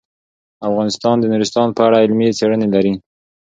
افغانستان د نورستان په اړه علمي څېړنې لري.